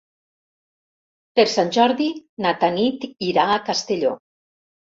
Per Sant Jordi na Tanit irà a Castelló.